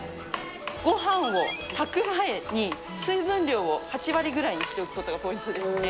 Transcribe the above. ごはんを炊く前に、水分量を８割ぐらいにしておくことがポイントですね。